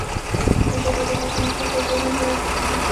د ژبې د ودې مخه په زور نه نیول کیږي.